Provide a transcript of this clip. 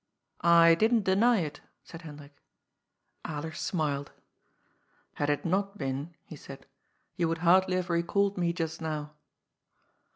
*'« I didn't deny it," said Hendrik. Alera smiled, " Had it not been," he said, you would hardly have recalled me just now."